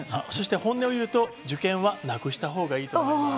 本音を言うと受験はなくしたほうがいいと思います。